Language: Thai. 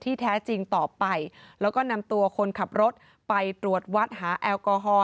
แท้จริงต่อไปแล้วก็นำตัวคนขับรถไปตรวจวัดหาแอลกอฮอล